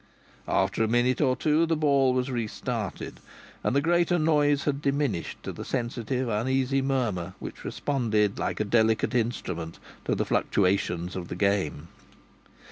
After a minute or two the ball was restarted, and the greater noise had diminished to the sensitive uneasy murmur which responded like a delicate instrument to the fluctuations of the game.